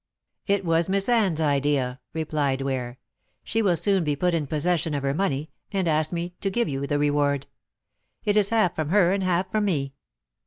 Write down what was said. "It was Miss Anne's idea," replied Ware. "She will soon be put in possession of her money, and asked me to give you the reward. It is half from her and half from me."